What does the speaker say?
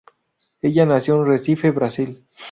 Ella nació en Recife, Brasil.